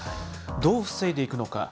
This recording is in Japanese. どう防いでいくのか。